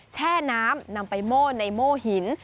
แช่น้ำนำไปโม่ในโม่หิน